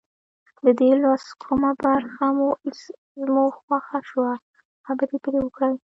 د دې لوست کومه برخه مو خوښه شوه خبرې پرې وکړئ.